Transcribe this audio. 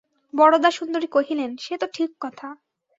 বরদাসুন্দরী কহিলেন, সে তো ঠিক কথা।